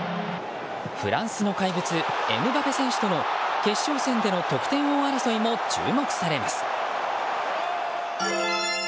フランスの怪物エムバペ選手との決勝戦での得点王争いも注目されます。